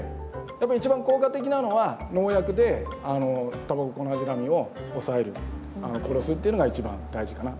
やっぱり一番効果的なのは農薬でタバココナジラミを抑える殺すっていうのが一番大事かな。